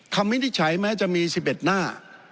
วินิจฉัยแม้จะมี๑๑หน้า